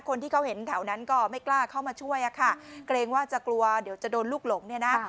คนที่เขาเห็นแถวนั้นก็ไม่กล้าเข้ามาช่วยอะค่ะเกรงว่าจะกลัวเดี๋ยวจะโดนลูกหลงเนี่ยนะ